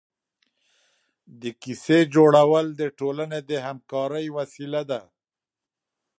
د کیسې جوړول د ټولنې د همکارۍ وسیله ده.